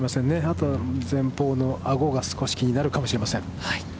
あとは前方のアゴが少し気になるかもしれません。